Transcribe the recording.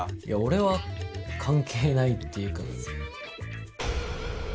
いや俺は関係ないっていうかさ。